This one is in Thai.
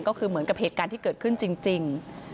ก็คือเหมือนกับเหตุการณ์ที่เกิดขึ้นจริง